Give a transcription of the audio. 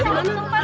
duduk di situ